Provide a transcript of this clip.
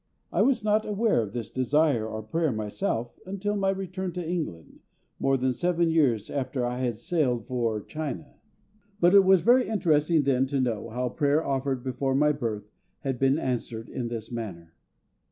I was not aware of this desire or prayer myself until my return to England, more than seven years after I had sailed for China; but it was very interesting then to know how prayer offered before my birth had been answered in this matter.